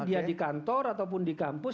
dia di kantor ataupun di kampus